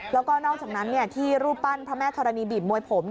แล้วก็นอกจากนั้นที่รูปปั้นพระแม่ธรณีบีบมวยผม